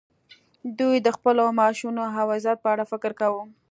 دوی د خپلو معاشونو او عزت په اړه فکر کاوه